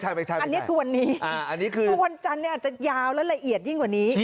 อันนี้คือวันนี้คือวันจันทร์เนี่ยอาจจะยาวและละเอียดยิ่งกว่านี้